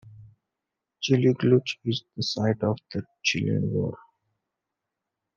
Chili Gulch is the site of the Chilean War.